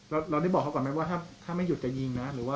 เราได้บอกเขาก่อนไหมว่าถ้าไม่หยุดจะยิงนะหรือว่า